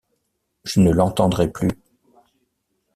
Je ne l’entendrai plus!